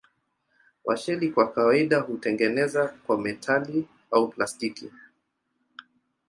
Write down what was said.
Washeli kwa kawaida hutengenezwa kwa metali au plastiki.